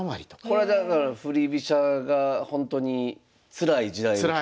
これだから振り飛車がほんとにつらい時代ですか。